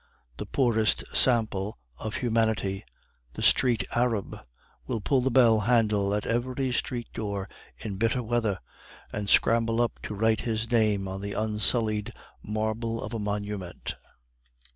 The poorest sample of humanity, the street arab, will pull the bell handle at every street door in bitter weather, and scramble up to write his name on the unsullied marble of a monument.